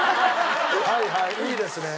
はいはいいいですね。